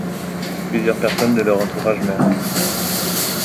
Plusieurs personnes de leur entourage meurent.